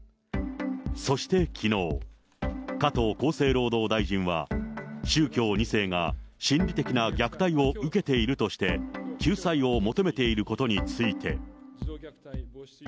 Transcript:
そしてきのう、加藤厚生労働大臣は、宗教２世が心理的な虐待を受けているとして、救済を求めていることについて。